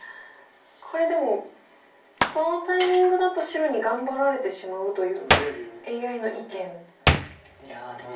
これでもこのタイミングだと白に頑張られてしまうというＡＩの意見ですか。